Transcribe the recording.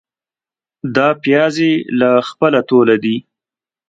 دا پیاز يې له خپله توله دي.